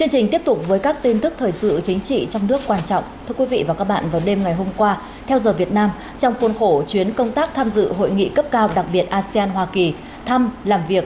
hãy đăng ký kênh để ủng hộ kênh của chúng mình nhé